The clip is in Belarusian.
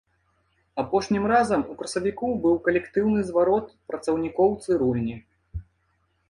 Апошнім разам у красавіку быў калектыўны зварот працаўнікоў цырульні.